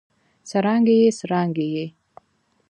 سرانګې ئې ، څرانګې ئې